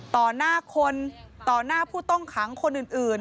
หน้าคนต่อหน้าผู้ต้องขังคนอื่น